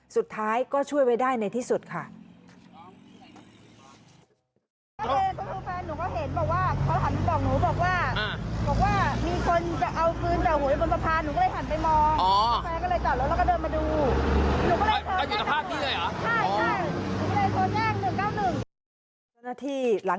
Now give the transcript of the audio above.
สุดท้ายก็ช่วยไว้ได้ในที่สุดค่ะ